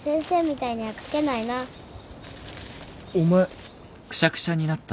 お前。